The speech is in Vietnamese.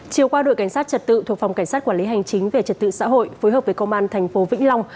chiều qua đội cảnh sát trật tự thuộc phòng cảnh sát quản lý hành chính về trật tự xã hội phối hợp với công an thành phố vĩnh long